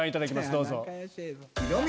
どうぞ。